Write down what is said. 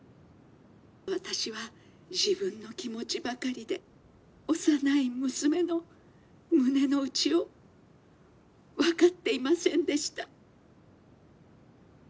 私は自分の気持ちばかりで幼い娘の胸の内を分かっていませんでした」。